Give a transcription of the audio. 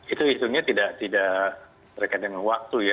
itu isunya tidak terkait dengan waktu ya